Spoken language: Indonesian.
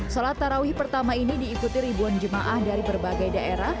sholat tarawih pertama ini diikuti ribuan jemaah dari berbagai daerah